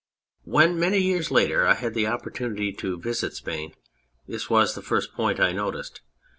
When, many years later, I had the opportunity to visit Spain, this was the first point I noticed.